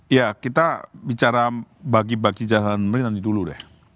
ya kita bicara bagi bagi jatah menteri nanti dulu deh